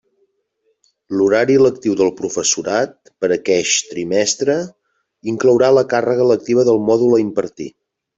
L'horari lectiu del professorat, per a aqueix trimestre, inclourà la càrrega lectiva del mòdul a impartir.